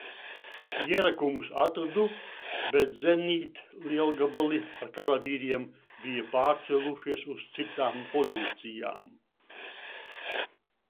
Ierakumus atradu, bet zenītlielgabali ar karavīriem bija pārcēlušies uz citām pozīcijām.